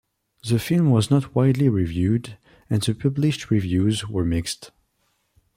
The film was not widely reviewed, and the published reviews were mixed.